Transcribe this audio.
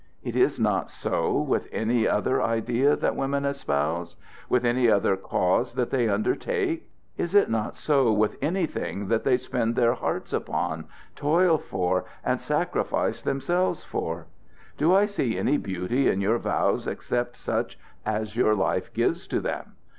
It is not so with any other idea that women espouse? with any other cause that they undertake? Is it not so with anything that they spend their hearts upon, toil for, and sacrifice themselves for? Do I see any beauty in your vows except such as your life gives to them?